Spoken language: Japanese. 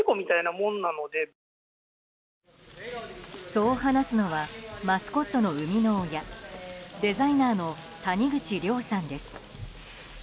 そう話すのはマスコットの生みの親デザイナーの谷口亮さんです。